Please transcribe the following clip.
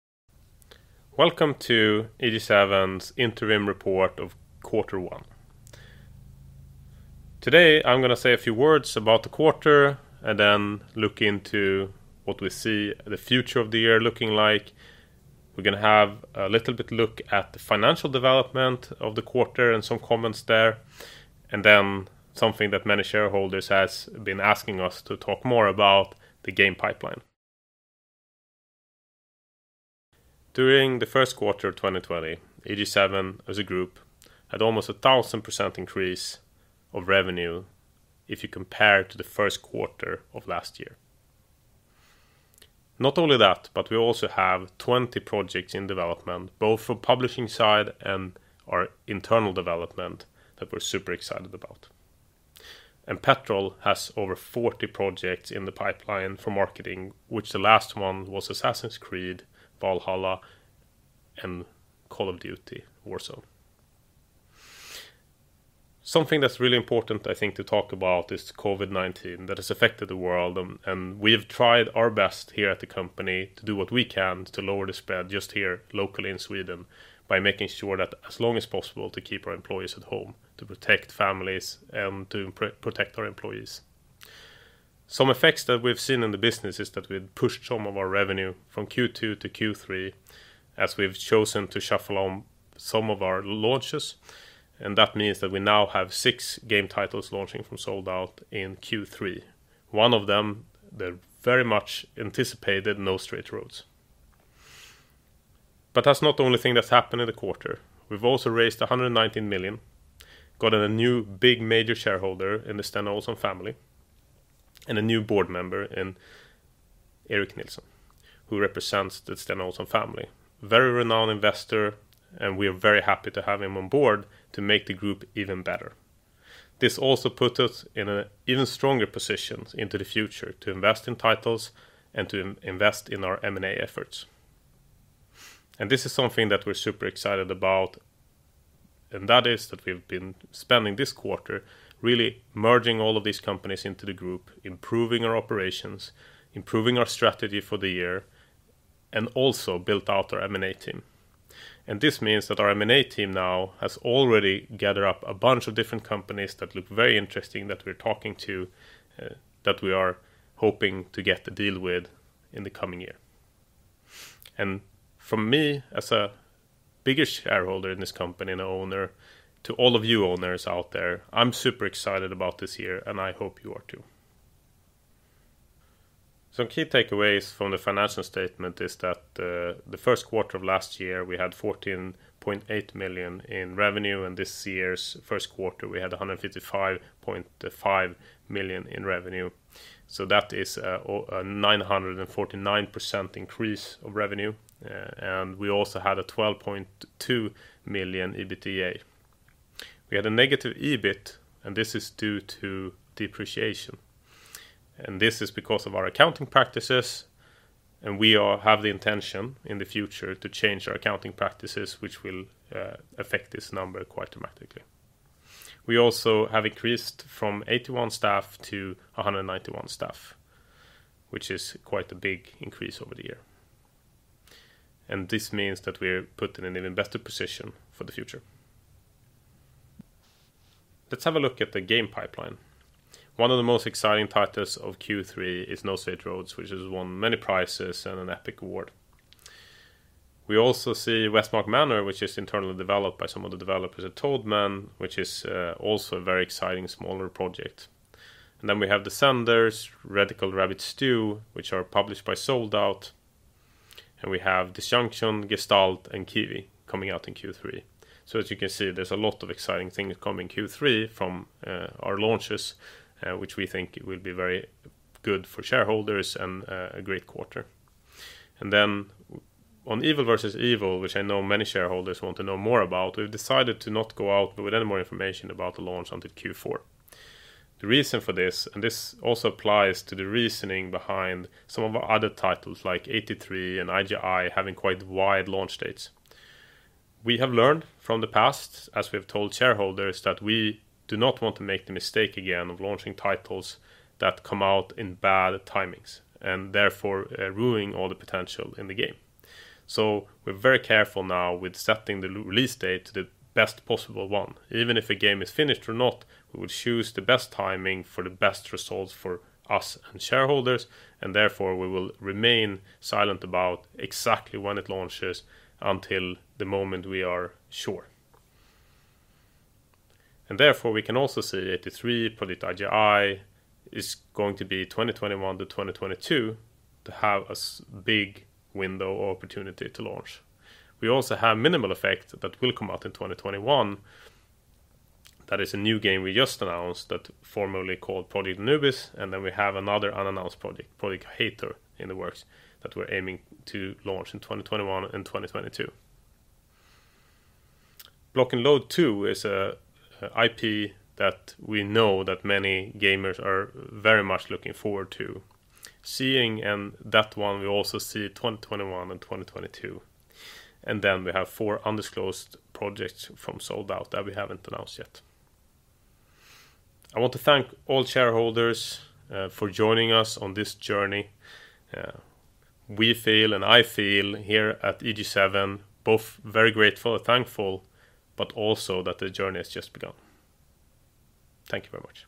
Welcome to EG7's interim report of quarter one. Today, I'm going to say a few words about the quarter and then look into what we see the future of the year looking like. We're going to have a little bit look at the financial development of the quarter and some comments there, then something that many shareholders has been asking us to talk more about, the game pipeline. During the first quarter of 2020, EG7 as a group, had almost 1,000% increase of revenue if you compare to the first quarter of last year. Not only that, but we also have 20 projects in development, both for publishing side and our internal development that we're super excited about. Petrol has over 40 projects in the pipeline for marketing, which the last one was Assassin's Creed Valhalla and Call of Duty: Warzone. Something that's really important, I think, to talk about is COVID-19, that has affected the world, and we have tried our best here at the company to do what we can to lower the spread just here locally in Sweden by making sure that as long as possible to keep our employees at home, to protect families and to protect our employees. Some effects that we've seen in the business is that we've pushed some of our revenue from Q2 to Q3 as we've chosen to shuffle on some of our launches, and that means that we now have six game titles launching from Sold Out in Q3. One of them, the very much anticipated No Straight Roads. That's not the only thing that's happened in the quarter. We've also raised 119 million, gotten a new big major shareholder in the Sten Olsson family, and a new board member in Erik Nielsen, who represents the Sten Olsson family. Very renowned investor, we are very happy to have him on board to make the group even better. This also put us in an even stronger position into the future to invest in titles and to invest in our M&A efforts. This is something that we're super excited about, and that is that we've been spending this quarter really merging all of these companies into the group, improving our operations, improving our strategy for the year, and also built out our M&A team. This means that our M&A team now has already gathered up a bunch of different companies that look very interesting that we're talking to, that we are hoping to get the deal with in the coming year. From me as a biggest shareholder in this company and owner to all of you owners out there, I'm super excited about this year, and I hope you are too. Some key takeaways from the financial statement is that, the first quarter of last year, we had 14.8 million in revenue, and this year's first quarter we had 155.5 million in revenue. That is a 949% increase of revenue. We also had a 12.2 million EBITDA. We had a negative EBIT, and this is due to depreciation. This is because of our accounting practices. We all have the intention in the future to change our accounting practices, which will affect this number quite dramatically. We also have increased from 81 staff to 191 staff, which is quite a big increase over the year. This means that we are put in an even better position for the future. Let's have a look at the game pipeline. One of the most exciting titles of Q3 is "No Straight Roads" which has won many prizes and an Epic award. We also see "Westmark Manor", which is internally developed by some of the developers at Toadman, which is also a very exciting smaller project. We have "Descenders", "Radical Rabbit Stew", which are published by Sold Out, and we have "Disjunction", "Gestalt", and "KeyWe" coming out in Q3. As you can see, there is a lot of exciting things coming Q3 from our launches, which we think will be very good for shareholders and a great quarter. Then on "EvilVEvil", which I know many shareholders want to know more about, we have decided to not go out with any more information about the launch until Q4. The reason for this also applies to the reasoning behind some of our other titles like "'83" and "I.G.I." having quite wide launch dates. We have learned from the past, as we have told shareholders, that we do not want to make the mistake again of launching titles that come out in bad timings, and therefore ruining all the potential in the game. We are very careful now with setting the release date to the best possible one. Even if a game is finished or not, we would choose the best timing for the best results for us and shareholders. Therefore, we will remain silent about exactly when it launches until the moment we are sure. Therefore, we can also see "'83", Project I.G.I. is going to be 2021 to 2022 to have a big window or opportunity to launch. We also have "Minimal Affect" that will come out in 2021. That is a new game we just announced that formerly called Project Anubis. Then we have another unannounced project, Project Hater in the works that we are aiming to launch in 2021 and 2022. "Block N Load 2" is a IP that we know that many gamers are very much looking forward to seeing. That one we also see 2021 and 2022. Then we have four undisclosed projects from Sold Out that we have not announced yet. I want to thank all shareholders for joining us on this journey. We feel, I feel here at EG7, both very grateful and thankful, also that the journey has just begun. Thank you very much.